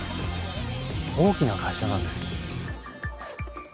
大きな会社なんですね。